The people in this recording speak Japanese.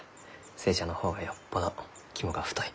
寿恵ちゃんの方がよっぽど肝が太い。